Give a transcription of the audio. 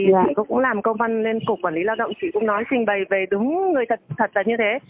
vì chị cũng làm công văn nên cục quản lý lao động chị cũng nói trình bày về đúng người thật là như thế